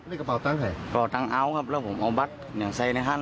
นี่กระเป๋าตั้งใส่กระเป๋าตังเอาท์ครับแล้วผมเอาบัตรอย่างไซในฮัน